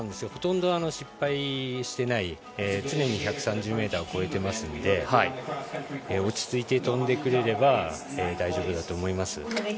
ほとんど失敗していない常に１３０ｍを超えていますので落ち着いて飛んでくれれば大丈夫だと思います。